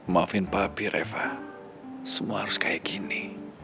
maafin babi reva semua harus kayak gini